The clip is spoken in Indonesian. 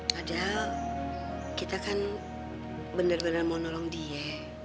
padahal kita kan bener bener mau nolong dia